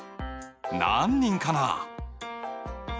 何人かな？